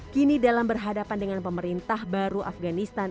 kini dalam berhadapan dengan pemerintah baru afganistan